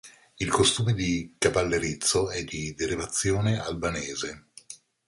Il costume di Cavallerizzo è di derivazione albanese.